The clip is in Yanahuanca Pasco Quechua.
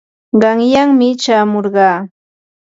qanyanmi chamurqaa.